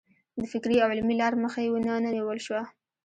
د فکري او علمي لار مخه یې ونه نیول شوه.